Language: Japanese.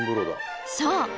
そう。